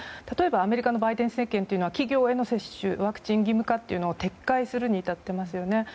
例えば、アメリカのバイデン政権というのは企業への接種ワクチン義務化というのを撤回するに至っていますよね。